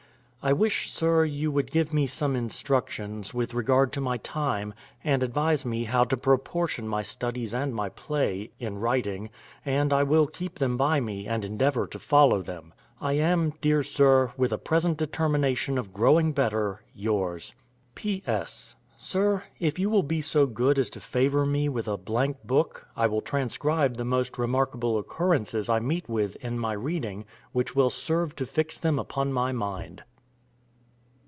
I wish, Sir, you would give me some instructions, with regard to my time, and advise me how to proportion my Studies and my Play, in writing, and I will keep them by me, and endeavor to follow them. I am, dear Sir, with a present determination of growing better, yours. P.S. Sir, if you will be so good as to favor me with a Blank Book, I will transcribe the most remarkable occurances I meet with in my reading, which will serve to fix them upon my mind.